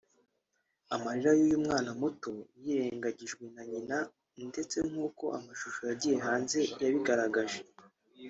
Amarira y’uyu mwana muto yirengagijwe na nyina ndetse nkuko amashusho yagiye hanze yabigaragaje